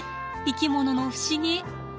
生き物の不思議。